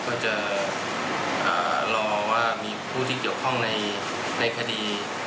ก็จะรอว่ามีผู้ที่เกี่ยวข้องในคดี